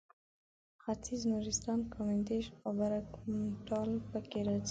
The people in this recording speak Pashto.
ختیځ نورستان کامدېش او برګمټال پکې راځي.